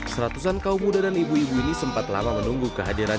seratusan kaum muda dan ibu ibu ini sempat lama menunggu kehadiran